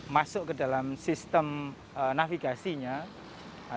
masuk ke dalam sistem navigasinya